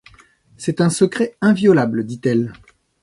C’est un secret inviolable, dit-elle.